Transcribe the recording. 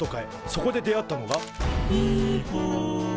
そこで出会ったのが「ニコ」